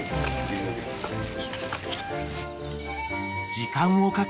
［時間をかけ］